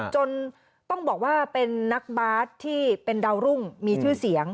จนต้องบอกว่าเป็นนักบาสที่เป็นดาวรุ่งมีชื่อเสียง